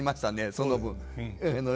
その分。